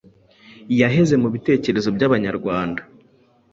yaheze mu bitekerezo by’Abanyarwanda.